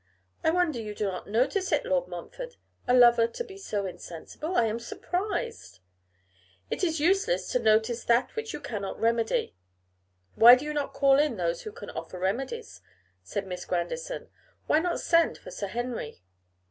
I wonder you do not notice it, Lord Montfort. A lover to be so insensible, I am surprised!' 'It is useless to notice that which you cannot remedy.' 'Why do you not call in those who can offer remedies?' said Miss Grandison. 'Why not send for Sir Henry?